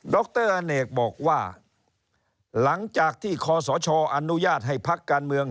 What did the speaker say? รอเนกบอกว่าหลังจากที่คอสชอนุญาตให้พักการเมือง